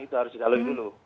itu harus dilalui dulu